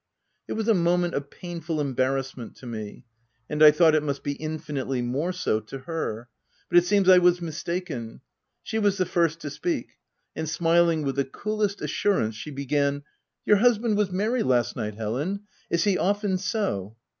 It was a moment of painful embarrass ment to me, and I thought it must be infinitely more so to her ; but it seems I was mistaken. She was the first to speak ; and, smiling with the coolest assurance, she began, —* Your husband was merry last night, Helen : is he often so